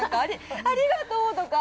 ありがとう！とか。